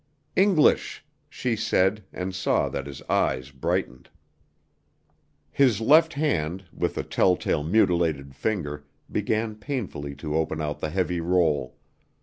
"English," she said, and saw that his eyes brightened. His left hand, with the tell tale mutilated finger, began painfully to open out the heavy roll.